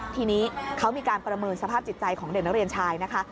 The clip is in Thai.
ทีนี้เขามีการประเมินสภาพจิตใจของเด็กนักเรียนชายนะคะ